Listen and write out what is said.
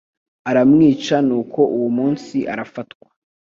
aramwica nuko uwo munsi arafatwa